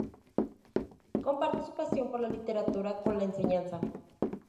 Comparte su pasión por la literatura con la enseñanza.